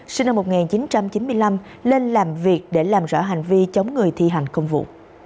sinh năm một nghìn chín trăm chín mươi năm lên làm việc để làm rõ hành vi chống người thi hành công vụ